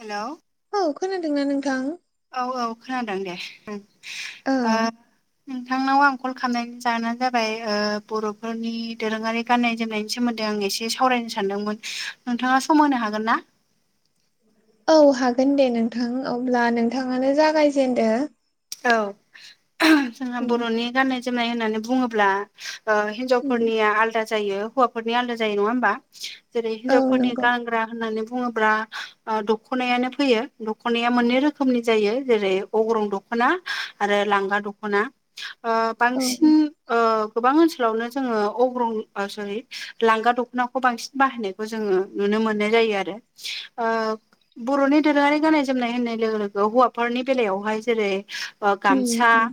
Hello औ खोनादोंना नोंथां? औ औ खोनादों दे औ ओ नोंथांनाव आं कल खालामनायनि जाहोनानो जाबाय ओ बर'फोरनि दोरोङारि गाननाय जोमनायनि सोमोन्दै आं एसे सावरायनो सानदोंमोन नोंथाङा सम होनो हागोन ना? औ हागोन दे नोंथां अब्ला नोंथाङानो जागायजेनदो। औ जोंहा उम बर'नि गाननाय जोमनाय होननानै बुङोब्ला ओ उम हिनजावफोरनिया आलदा जायो हौवाफोरनि आलदा जायो नङा होमबा जेरै औ हिनजावफोरनि नंगौ गानग्रा होननानै बुङोब्ला ओ दख'नायानो फैयो दख'नाया मोननै रोखोमनि जायो जेरै अग्रं दख दख'ना आरो लांगा दख'ना ओ औ बांसिन ओ गोबां ओनसोलावनो जोङो अग्रं आ सरि लांगा दख'नाखौ बांसिन बाहायनायखौ जोंङो नुनो मोननाय जायो आरो ओ बर'नि दोरोङारि गाननाय जोमनाय होननाय लोगो लोगो हौवाफोरनि बेलायावहाय जेरै बा उम गामसा उम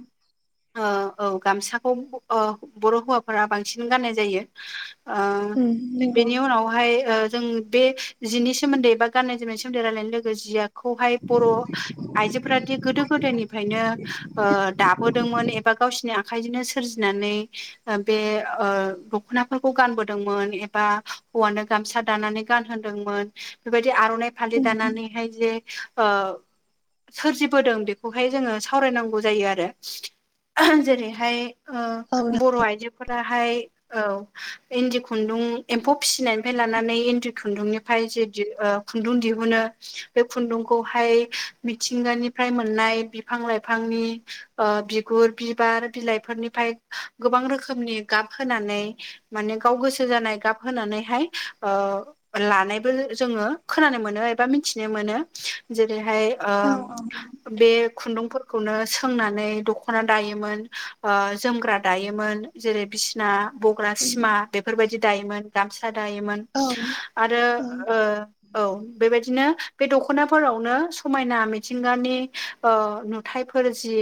ओ औ गामसाखौ ओ बर' हौवाफोरा बांसिन गाननाय जायो। ओ उम नंगौ बेनि उनावहाय ओ जों बे जिनि सोमोन्दै बा गाननाय जोमनायनि सोमोन्दै रायलायनाय लोगो जिया खौहाय बर' आइजोफोरादि गोदो गोदायनि नो ओ दाबोदोंमोन एबा गावसिनि आखायजोंनो सोरजिनानै ओ बे ओ दखनाफोरखौ गानबोदोंमोन एबा हौवानो गामसा दानानै गान होनदोंमोन। बेबायदि आर'नाइ फालि उम दानानैहाय जे ओ सोरजिबोदों बेखौ हाय जोंङो सावरायनांगौ जायो आरो जेरैहाय ओ औ बर' आइजोफोर गाहाय औ इन्दि खुन्दुं एम्फौ फिसिनायनिफ्राय लानानै इन्दि खुन्दुंनिफ्राय जि दि ओ खुन्दुं दिहुनो बे खुन्दुंखौहाय मिथिंगानिफ्राय मोननाय बिफां लाइफांनि ओ बिगुर बिबार बिलाइफोरनिफ्राय गोबां रोखोमनि गाब होनानै माने गाव गोसो जानाय गाब होनानैहाय ओ लानायबो जोंङो खोनानो मोनो एबा मिथिनो मोनो। जेरैहाय ओ नों औ औ बे खुन्दुंफोरखौनो सोंनानै दख'ना दायोमोन। ओ जोमग्रा दायोमोन। जेरै बिस ना बग्रा उम सिमा बेफोरबायदि दायोमोन गामसा दायोमोन। औ आरो औ ओ औ बेबायदिनो बे दख'नाफोरावनो समायना मिथिंगानि नुथायाइफोर जि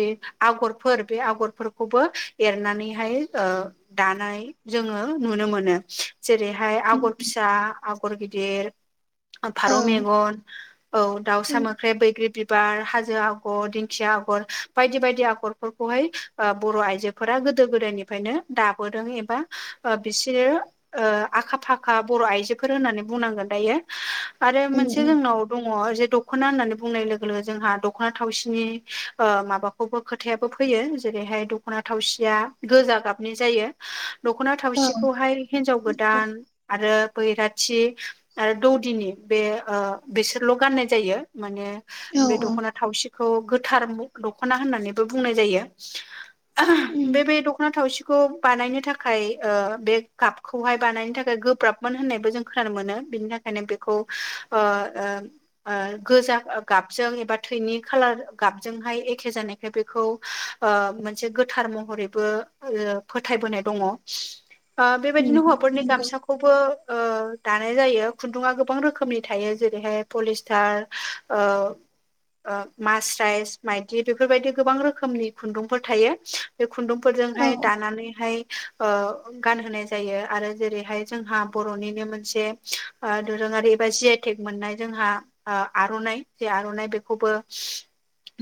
आगरफोर बे आगरफोरखौबो एरनानैहाय ओ दानाय जोंङो नुनो मोनो। जेरैहाय उम आगर फिसा आगर गिदिर औ फारौ मेगन औ दाउसा उम मोख्रेब बैग्रि बिबार हाजोआव आगर दिंखिया आगर बायदि बायदि आगरफोरखौहाय बर' आइजोफोरा गोदो गोदायनिफ्रायनो दाबोदों एबा बिसोरो आखा फाखा बर' आइजोफोर होननानै बुंनांगोन दायो आरो उम मोनसे उम जोंनाव दङ जे दख'ना होननानै बुंनाय लोगो लोगो जोंहा दखना थावसिनि ओ माबाखौबो खोथायाबो फैयो जेरैहाय दख'ना थावसिया गोजा गाबनि जायो दख'ना औ थावसिखौहाय हिनजाव गोदान आरो बैराथि आरो दौदिनि बे बिसोरल' गाननाय जायो माने औ बे दख'ना थावसिखौ गोथार दख'ना होननानैबो बुंनाय जायो उम बे दख'ना थावसि खौ बानायनो थाखाय बे गाबखौहाय बानायनो थाखाय गोब्राबमोन होननायबो जों खोनानो मोनो बेनि खायनो बेखौ अ ओ गोजा गाबजों एबा थैनि खालार गाबजोंहाय एखे जानायखाय बेखौ ओ मोनसे गोथार महरैबो आरो फोथायबोनाय दङ उम बेबायदिनो हौवाफोरनि नंगौ गामसा खौबो दानाय जायो खुन्दुङा गोबां रोखोमनि थायो जेरैहाय पलिस्टार ओ मास्राइस माइदि बेफोरबायदि गोबां रोखोमनि खुन्दुंफोर थायो बे खुन्दुं औ फोरजोंहाय दानानैहाय गानहोनाय जायो आरो जेरैहाय जोंहा बर'निनो मोनसे दोरोङारि एबा जि आइ तेग मोननाय जोंना आर'नाय बे खौबो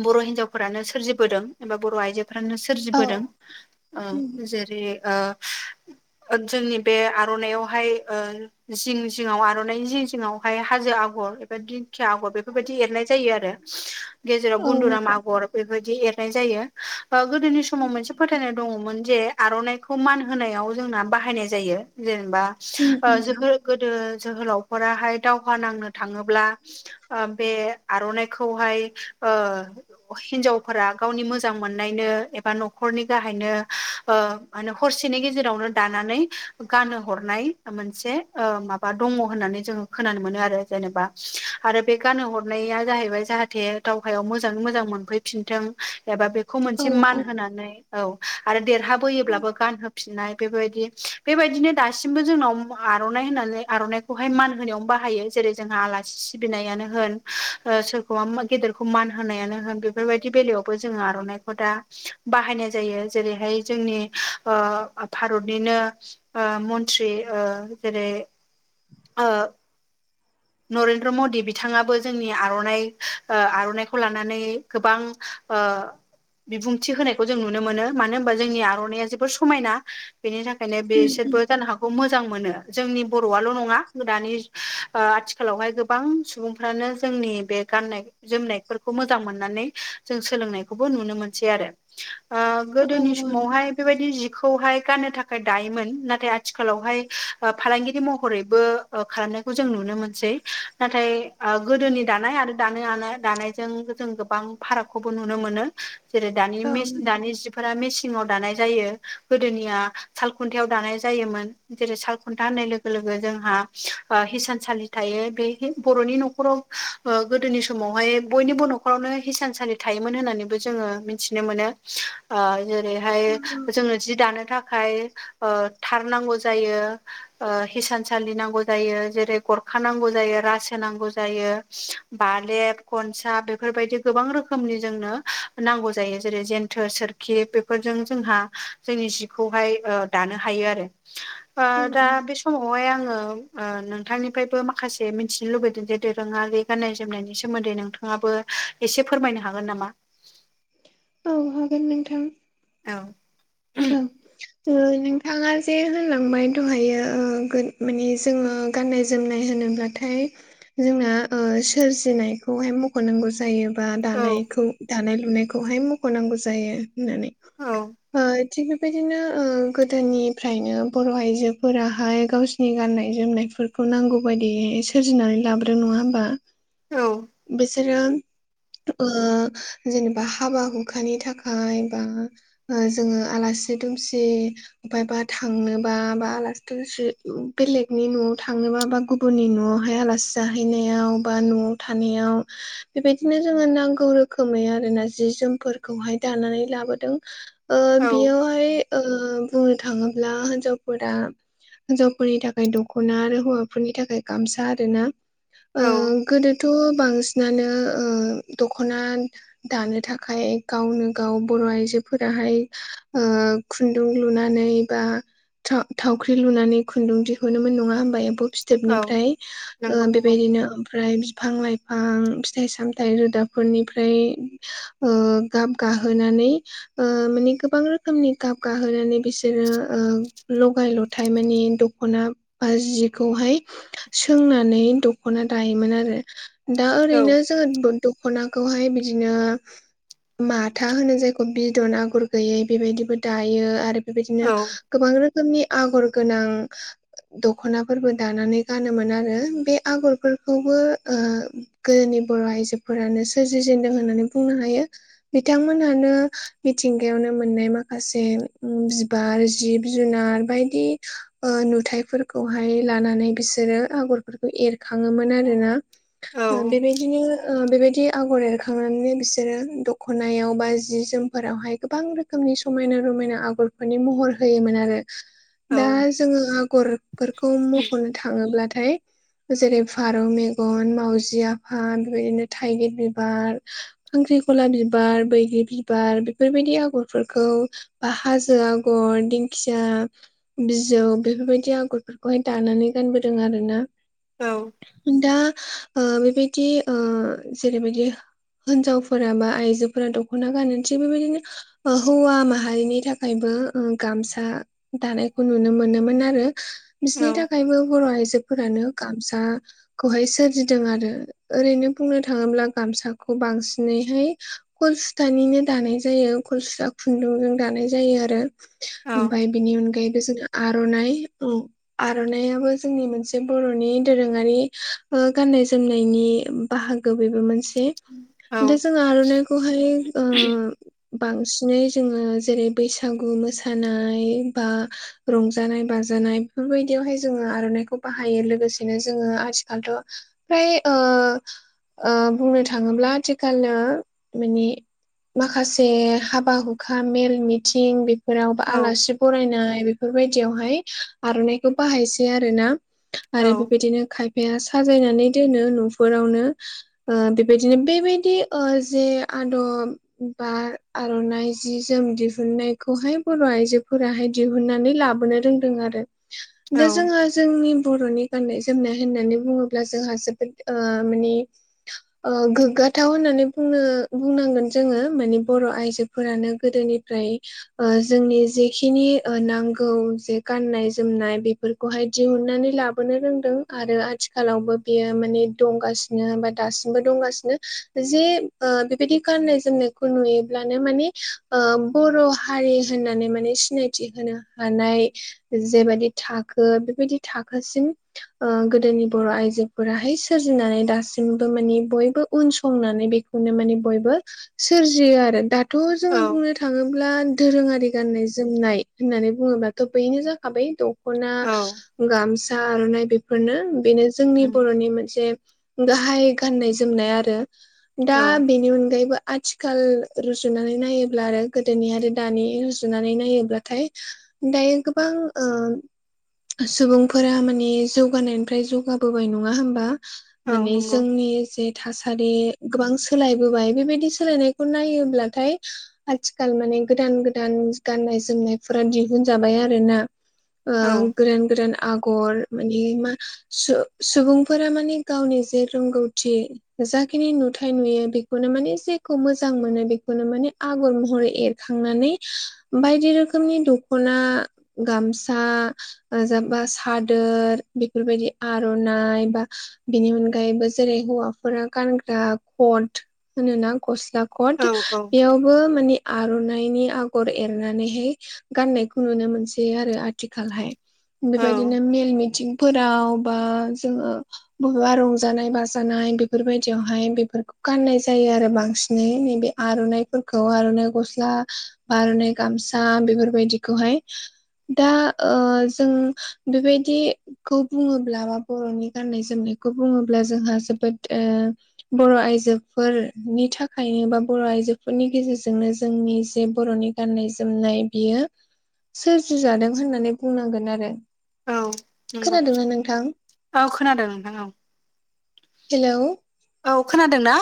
बर' हिनजावफोरानो सोरजिबोदों एबा बर' आइजोफोरानो औ सोरजिबोदों उम ओ जेरै ओ जोंनि बे आर'नायावहाय ओ जिं जिङाव आर'नाइ जिं जिङावहाय हाजो आगर एबा दि दिखिया आगर बेफोरबायदि एरनाय जायो आरो गेजेराव औ गुन्दुराम नंगौ आगर बेफोरबायदि एरनाय जायो ओ गोदोनि समाव मोनसे फोथायनाय दङमोन जे आर'नाइखौ मान होनायाव जोंना बाहायनाय जायो जेनेबा उम उम जोहो गोदो जोहोलावफोराहाय दावहा नांनो थाङोब्ला बे आर'नाइ खौहाय ओ हिनजावफोरा गावनि मोजां मोननायनो एबा न'खरनि गाहायनो मा होनो हरसेनि गेजेरावनो दानानै गानो हरनाय मोनसे ओ माबा दङ होननानै जोङो खोनानो मोनो आरो जेनेबा आरो बे गान हरनाया जाहैबाय जाहाथे दावहायाव मोजाङै मोजां मोनफैफिनथों एबा बेखौ औ मोनसे मान होनानै औ आरो देरहाबोयोब्लाबो गानहोफिननाय बेबायदि बेबायदिनो दासिमबो जोंनाव आर'नाय होननानै आर'नायखौहाय मान होननायावनो बाहायो जेरै जोंहा आलासि सिबिनायानो होन ओ गेदेरखौ मान होनायानो होन बेफोरबायदि बेलायावबो जोङो आर'नाइखौ दा बाहायनाय जायो जेरैहाय जोंनि ओ भारतनिनो ओ मन्त्रि ओ जेरै ओ नरेन्द्र मदि बिथाङाबो जोंनि आर'नाय ओ आर'नाइखौ लानानै गोबां ओ बिबुंथि होनायखौ जों नुनो मोनो मानो होनबा जोंनि आर'नाइया जोबोर समायना बेनि थाखाय बेखायनो उम उम बेसोरबो जानो हागौ मोजां मोनो जोंनि बर'आल' नङा दानि आथि खालावहाय गोबां सुबुंफ्रानो जोंनि बे गाननाय जोमनायफोरखौ मोजां मोननानै जों सोलोंनायखौबो नुनो मोनसै आरो। ओ औ गोदोनि औ नंगौ समावहाय बेबायदि जि खौहाय गाननो थाखाय दायोमोन नाथाय आथिखालावहाय ओ फालांगिरि महरैबो ओ खालामनायखौ जों नुनो मोनसै नाथाय ओ गोदोनि दानाय आरो दानो दानाय दानायजों जों गोबां फारागखौबो नुनो मोनो। जेरै दानि औ मिसिन नंगौ दानि जि फोरा मेसिङाव दानाय जायो गोदोनिया सालखुन्थायाव दानाय जायोमोन। जेरै सालखुन्था होननाय लोगो लोगो जोंहा ओ हिसानसालि थायो बे बर'नि नखराव ओ गोदोनि समावहाय बयनिबो नखरावनो हिसानसालि थायोमोन होननानैबो जोङो मिथिनो मोनो। ओ जेरैहाय औ औ जोङो जि दानो थाखाय ओ थार नांगौ जायो ओ हिसानसालि नांगौ जायो जेरै गर थाखानांगौ जायो रासो नांगौ जायो बालेब खनसा बेफोरबायदि गोबां रोखोमनि जोंनो नांगौ जायो जेरै जेन्थोर सोरखि बेफोरजों जोंहा जोंनि जिखौहाय ओ दानो हायो आरो। ओ उम दा उम बे समावहाय आङो ओ नोंथांनि फ्रायबो माखासे मिथिनो लुुबैदों जे दोरोङारि गान्नाय जोमनायनि सोमोन्दै नोंथाङाबो एसे फोरमायनो हागोन नामा? औ हागोन नोंथां। औ औ ओ नोंथाङा जे होनलांबाय दहायो ओ गो माने जोङो गाननाय जोमनाय होनोब्ला थाय जोंना ओ सोरजिनायखौहाय मख'नांगौ जायो। ओ औ दानायखौ दानाय लुनायखौहाय मख'नांगौ जायो होननानै औ ओ। थिग बेबायदिनो ओ गोदोनिफ्रायनो बर' आइजोफोराहाय गावसिनि गाननाय जोमनायफोर खौ नांगौ बायदि सोरजिनानै लाब्रो नङा होमबा औ बिसोरो ओ जेनेबा हाबा हुखानि थाखाय बा ओ जोङो आलासि दुमसि बायबा थांनोबा बा आलासि दुमसि बेलेगनि न'आव थांनोबा बा गुबुननि न'आवहाय आलासि जाहैनायाव बा न'आव थानायाव बेबायदिनो जोङो नांगौ रोखोमै आरोना जि जोमफोरखौहाय दानानै लाबोदों। ओ औ बेयावहाय ओ बुंनो थाङोब्ला हिन्जावफोरा हिनजावफोरनि थाखाय दख'ना आरो हौवाफोरनि थाखाय गामसा आरोना। ओ औ गोदोथ' बांसिनानो ओ दखना दानो थाखाय गावनो गाव बर' आइजोफोराहाय ओ खुन्दुं लुनानै बा था-थावख्रि लुनानै खुन्दुं दिहुनोमोन नङा होमबा एम्फौ फि औ थोबनिफ्राय ओ नंगौ नंगौ बेबायदिनो ओमफ्राय बिफां लाइफ फां फिथाइ सामथाइ रोदाफोरनिफ्राय ओ गाब गाहोनानै ओ माने गोबां रोख रोखोमनि गाब गाहोनानै बिसोरो ओ लगाय लथाय माने दख'ना बा जिखौहाय सोंनानै दख'ना दायोमोन आरो। दा औ ओरैनो जोङो दख'नाखौहाय बिदिनो माथा होनो जायखौ बिदन आगर गैयै। बेबायदिबो दायो आरो औ बेबायदिनो गोबां रोखोमनि आगर गोनां दख'नाफोरबो दानानै गानोमोन आरो बे आगरफोरखौबो ओ गोदोनि बर' आइजोफोरानो सोरजिजेनन्दों होननानै बुंनो हायो। बिथांमोनहानो मिथिंगायावनो मोननाय माखासे बिबार जिब जुनार बायदि ओ नुथायफोरखौहाय लानानै बिसोरो आगरफोरखौ एरखाङोमोन आरोना। ओ औ बेबायदिनो ओ बेबायदि आगर एरखांनानै बिसोरो दख'नायाव बा जि जोमफोरावहाय गोबां रोखोम रोखोमनि समायना-रमायना आगरफोरनि महर होयोमोन आरो औ दा जोंङो आगरफोरखौ मख'नो थांङोब्लाथाय जेरै -फारौ मेगन, मावजि आफा बेबायदिनो थाइगिर बिबार खांख्रिखला बिबार, बैग्रि बिबार बेफोरबायदि आगर फोरफोरखौ बा हाजो, आगर दिंखिया बिजौ बेफोरबायदि आगरफोरखौहाय दानानै गानबोदों आर ना औ दा ओ बेबायदि ओ जेरैबायदि हिनजावफोरा बा आइजोफोरा दख'ना गाननोसै बेबायदिनो ओ हौवा माहारिनि थाखायबो ओ गामसा दानायखौ नुनो मोनोमोन आरो औ बिसिनि थाखायबो बर'आयजो फोरानो गामसाखौहाय सोरजिदों आरो। ओरैनो बुंनो थांङोब्ला गामसाखौ बांसिनैहाय कल सुथानिनो दानाय जायो। खल सुसा खुन्दुंजों दानाय जायो आरो औ ओमफ्राय बेनि अनगायैबो जोंहा आर'नाय औ आर'नायइाबो जोंनि मोनसे बर'नि दोरोङारि ओ गाननाय जोमनायनि बाहागो बेबो मोनसे दा औ जों आर'नाइखौहाय ओ बांसिनै जोङो जेरै बैसागु मोसानाय बा रंजानाय बाजानाय बेफोरबायदियावहाय जोङो आर'नाइखौ बाहायो लोगोसेनो जोंङो आथिखालथ' प्राय ओ ओ बुंनो थांङोब्ला आथिखालनो माने माखा से हाबा हुखा मेल मिथिं बेफोराव बा आलासि बरायनाय बेफोरबायदियावहाय आर'नाइखौ बाहायसै आरोना आरो बेबायदिनो खाय या साजायनानै दोनो न'फोरावनो ओ बेबायदिनो बेबायदि ओ जे आदब बा आर'नाइ जि जोम दिहुनन्नायखौहाय बर' आइजोफोराहाय दिहुननानै लाबोनो रोंदों आरो। दा जोंहा औ जोंनि बर'नि गाननाय जोमनाय होननानै बुङोब्ला जोंहा जोबोद ओ माने ओ गोग्गाथाव होननानै बुंनो बुंनांगोन जोंङो माने बर' आइजोफोरानो गोदोनिफ्राय ओ जोंनि जेखिनि ओ नांगौ जे गाननाय जोमनाय बे फोरखौहाय दिहुननानै लाबोनो रोंदों आरो आथिखालावबो बेयो माने दंगासि नो बा दासिमबो दंगासिनो जे बेबायदि गाननाय जोमनाय खौ नुयोब्लानो माने बर' हारि होननानै माने सिनायथि होनो हानाय जेबायदि थाखो बेबायदि थाखोसिम ओ गोदोनि बर' आइजोफोराहाय सोरजिनानै दासिमबो मानिे बयबो उन संनानै बे खौनो माने बयबो सोरजियो आरो दाथ' औ जोंङो बुंनो थांङोब्ला दोरोंङारि गाननाय जोमनाय होननानै बुंङोब्लाथ' बैनो जाखाबाय दख'ना औ गामसा आर'नाइ बेफोरनो बेनो जोंनि उम बर'नि मोनसे गाहाय गाननाय जोमनाय आरो। औ दा औ बेनि अनगायैबो आथिखाल रुजुनानै नायोब्ला आरो गोदोनि आरो दानि रुजुनानै नायोब्लाथाय दायो गोबां ओ सुबुंफोरा माने जौगानायनिफ्राय जौगाबोबाय नङा होमबा? माने नंगौ जोंनि जे थासारि गोबां सोलायबोबाय बेबायदि सोलायनायखौ नायोब्लाथाय आथिखाल माने गोदान गोदान गाननाय जोमनायफोरा दिहुनजाबाय आरो ना। ओ औ गोदान गोदान आगर माने मा सु-सुबुंफोरा माने गावनि जे रोंगौथि जाखिनि नुथाय नुयो बेखौनो माने जे खौ मोजां मोनो बेखौनो माने आगर महरै एरखांनानै बायदि रोखोमनि द खना गामसा ओ जाबा सादोर बेफोरबायदि आर'नाइ बा बिनि अनगायैबो जेरै हौवाफोरा गानग्रा कट होनोना गस्ला कट औ औ बेयावबो माने आर'नाइनि आगर एरनानैहाय गाननायखौ नुनो मोनसै आरो आथिखालहाय। बेबायदिनो मेल मिथिंफोराव बा जोङो बबेबा रंजानाय बाजानाय बेफोरबायदियावहाय बेफोरखौ गाननाय जायो आरो बांसिन नैबे आर'नाइफोरखौ आर'नाइ गस्ला आरनाय गामसा बेफोरबायदिखौहाय दा जों बेबायदि खौ बुंङोब्ला बा बर'नि गान्नाय जोमनायखौ बुंङोब्ला जोंहा जोबोद बर' आइजोफोरनि थाखाय [unintelligible] बर' आइजोफोरनि गेजेरजोंनो जोंनि जे बर'नि गाननाय जोमनाय बियो सोरजिजादों होननानै बुंनांगोन आरो औ नंगौ खोनादोंना नोंथां औ खोनादों नोंथां औ हेलौ औ खोनादों ना